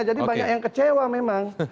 jadi banyak yang kecewa memang